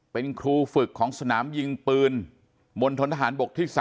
เป็นครูฝึกของสนามยิงปืนมณฑนทหารบกที่๓